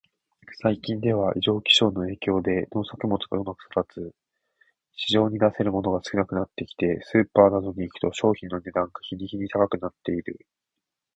最近では、異常気象の影響で農作物がうまく育たず、市場に出せるものが少なくなってきて、スーパーなどに行くと食品の値段が日に日に高くなっている。